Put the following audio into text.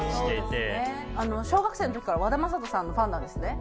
小学生の時から和田正人さんのファンなんですね。